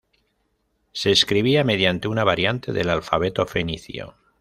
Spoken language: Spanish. Se escribía mediante una variante del alfabeto fenicio.